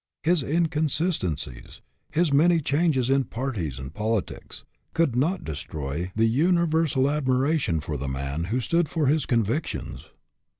His inconsistencies, his many changes in parties and politics, could not destroy the uni versal admiration for the man who stood for his convictions.